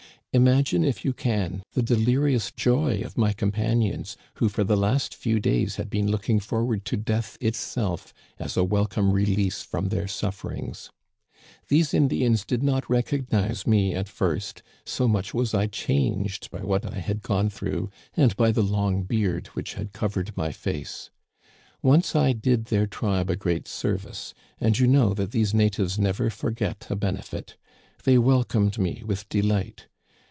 Imagine if you can the delirious joy of my companions, who for the last few days had been looking forward to death itself as a welcome release from their sufferings ! These Indians did not recognize me at first, so much was I changed by what I had gone through, and by the long beard which had covered my face. Once I did their tribe a great service ; and you know that these natives never forget a benefit. They welcomed me with delight.